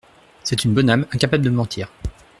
C’est une bonne âme, incapable de mentir !